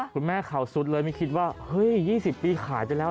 คุณแม่เขาซุดเลยไม่คิดว่า๒๐ปีขายจนแล้ว